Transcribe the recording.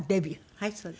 はいそうです。